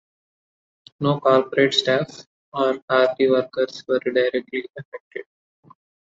No corporate staff or hourly workers were directly affected.